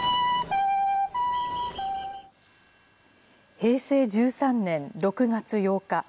平成１３年６月８日。